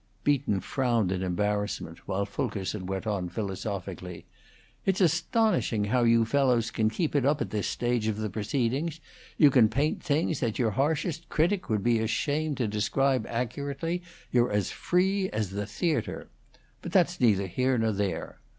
Beaton frowned in embarrassment, while Fulkerson went on philosophically; "It's astonishing how you fellows can keep it up at this stage of the proceedings; you can paint things that your harshest critic would be ashamed to describe accurately; you're as free as the theatre. But that's neither here nor there.